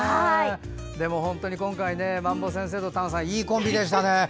でも本当に今回、まんぼ先生と丹さんいいコンビでしたね。